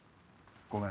ごめん。